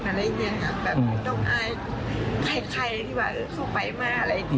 แบบไม่ต้องอาฆ์ใครที่ว่าเพราะเขาไปเมื่อกี๊